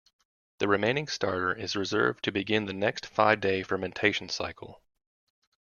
The remaining starter is reserved to begin the next five-day fermentation cycle.